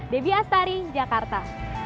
debbie astari jakarta